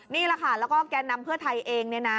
นี่แหละค่ะแล้วก็แก่นำเพื่อไทยเองเนี่ยนะ